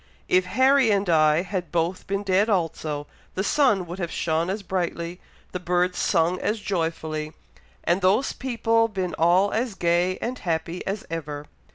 "If Harry and I had both been dead also, the sun would have shone as brightly, the birds sung as joyfully, and those people been all as gay and happy as ever!